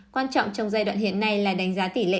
quan trọng trong giai đoạn hiện nay là đánh giá tỷ lệ